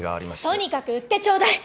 とにかく売ってちょうだい。